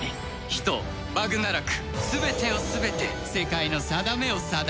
人バグナラク全てを統べて世界の運命を定める者。